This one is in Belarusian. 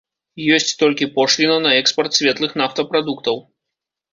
Ёсць толькі пошліна на экспарт светлых нафтапрадуктаў.